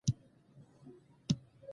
اصولي چې با حوصله سړی دی وخندل.